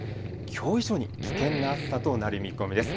きょう以上に危険な暑さとなる見込みです。